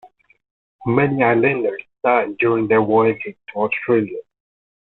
Many islanders died during their voyages to Australia.